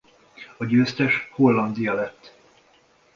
A győztes Hollandia lett.